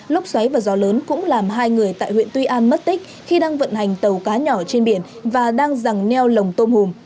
lốc xoáy và gió lớn cũng làm hai người tại huyện tuy an mất tích khi đang vận hành tàu cá nhỏ trên biển và đang dẳng neo lồng tôm hùm